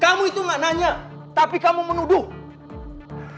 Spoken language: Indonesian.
kamu itu gak nanya tapi kamu menuduh